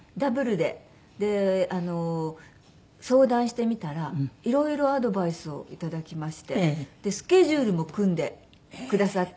で相談してみたら色々アドバイスを頂きましてスケジュールも組んでくださって。